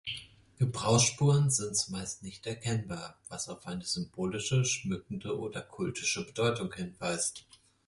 Gebrauchsspuren sind zumeist nicht erkennbar, was auf eine symbolische, schmückende oder kultische Bedeutung hinweist.